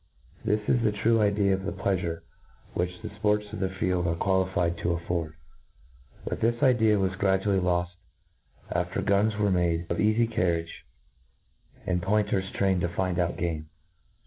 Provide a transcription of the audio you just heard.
This is the true idea of the pleafure which 'the fports of the field are quali ? fied to aflford ; but this idea was gradually loft after guns were made of eafy carriage^ and point ers trained to find out game.